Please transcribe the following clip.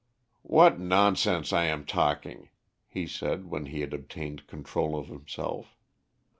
"What nonsense I am talking," he said when he had obtained control of himself.